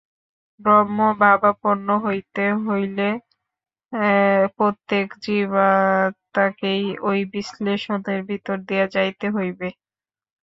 ব্রহ্মভাবাপন্ন হইতে হইলে প্রত্যেক জীবাত্মাকেই ঐ বিশ্লেষণের ভিতর দিয়া যাইতে হইবে।